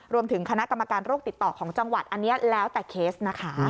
รวมถึงคณะกรรมการโรคติดต่อของจังหวัดอันนี้แล้วแต่เคสนะคะ